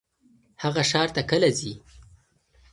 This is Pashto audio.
هغه ښار ته کله ځي؟